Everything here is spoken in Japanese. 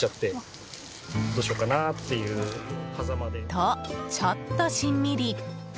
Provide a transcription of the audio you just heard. と、ちょっとしんみり。